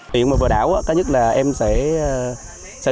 điện mà vừa đảo cái nhất là em sẽ